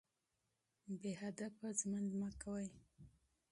بې مقصده ژوند مه کوئ.